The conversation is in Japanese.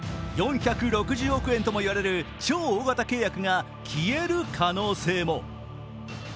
４６０億円ともいわれる超大型契約が消える可能性も。